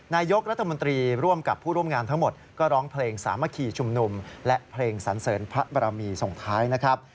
นายกรัฐมนตรีร่วมกับผู้ร่วมงานทั้งหมดก็ร้องเพลงสามัคคีชุมนุมและเพลงสันเสริญพระบรมีส่งท้ายนะครับ